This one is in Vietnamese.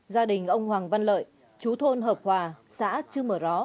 gia đình ông hoàng văn lợi chú thôn hợp hòa xã chư mở ró